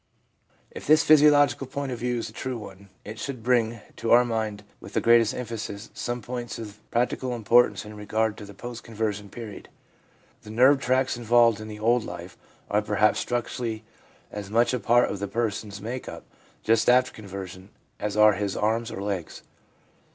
If this physiological point of view is a true one, it should bring to our mind with the greatest emphasis some points of practical importance in regard to the post conversion period. The nerve tracts involved in the old life are perhaps structurally as much a part of the person's make up just after conversion as are his arms or legs.